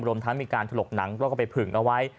รวมทั้งมีการถลกหนังแล้วก็ไปผึ่งเอาไว้